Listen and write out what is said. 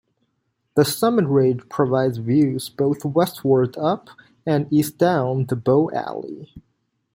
The summit ridge provides views both westward up and east down the Bow Valley.